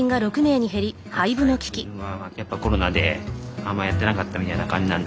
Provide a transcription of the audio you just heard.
あと最近はやっぱコロナであんまやってなかったみたいな感じなんで。